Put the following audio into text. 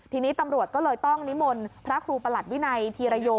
ทีนี้ตำรวจก็เลยต้องนิมนต์พระครูประหลัดวินัยธีรโย